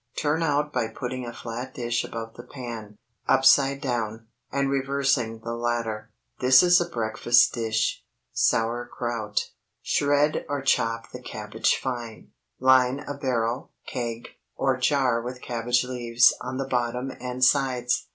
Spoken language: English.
Turn out by putting a flat dish above the pan, upside down, and reversing the latter. This is a breakfast dish. SAUERKRAUT. Shred or chop the cabbage fine. Line a barrel, keg, or jar with cabbage leaves on the bottom and sides.